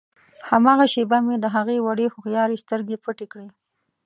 هماغه شېبه مې د هغه وړې هوښیارې سترګې پټې کړې.